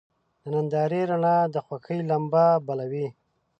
د نندارې رڼا د خوښۍ لمبه بله وي.